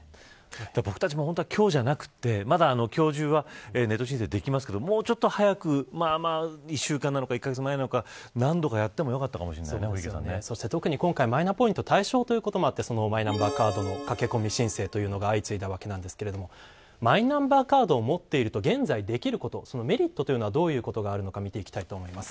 僕たちも本当は今日じゃなくてまだ今日中はネット申請できますけど、もうちょっと早く１週間なのか、１カ月前なのか何度かやってもよかったかも特に、今回はマイナポイント対象ということもあってマイナンバーカードの駆け込み申請が相次いだわけですがマイナンバーカードを持っていると、現在できることメリットはどういうことがあるのか見ていきます。